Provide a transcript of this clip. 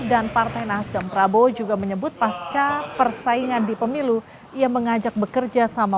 dan partai nasdem prabowo juga menyebut pasca persaingan di pemilu ia mengajak bekerja sama